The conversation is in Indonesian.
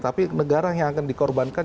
tapi negara yang akan dikorbankan